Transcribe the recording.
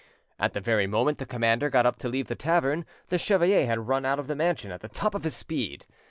At the very moment the commander got up to leave the tavern the chevalier had run out of the mansion at the top of his speed.